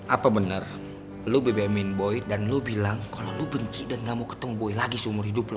apa bener lo bebe min boy dan lo bilang kalo lo benci dan gak mau ketemu boy lagi seumur hidup lo